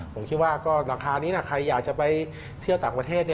ผมคิดว่าก็ราคานี้ใครอยากจะไปเที่ยวต่างประเทศ